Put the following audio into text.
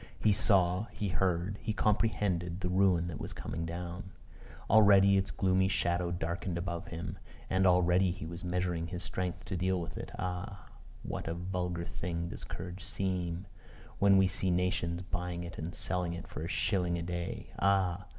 He saw, he heard, he comprehended, the ruin that was coming down: already its gloomy shadow darkened above him; and already he was measuring his strength to deal with it. Ah! what a vulgar thing does courage seem, when we see nations buying it and selling it for a shilling a day: ah!